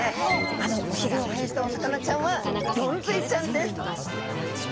あのおひげを生やしたお魚ちゃんはゴンズイちゃんです！